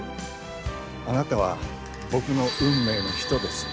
あなたは僕の運命の人です。